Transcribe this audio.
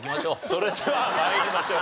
それでは参りましょう。